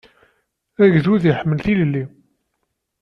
Agdud iḥemmel tilelli.